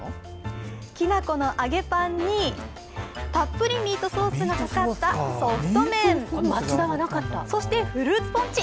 きな粉の揚げパンに、たっぷりミートソースがかかったソフト麺、そしてフルーツポンチ。